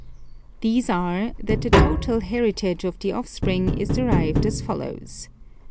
These a re that the total heritage of the offspring is derived as follows.